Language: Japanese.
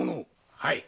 はい。